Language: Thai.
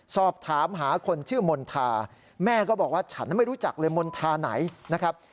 สอบถามหาคนชื่อมณฑาแม่ก็บอกว่าฉันไม่รู้จักเลยมณฑาไหนนะครับ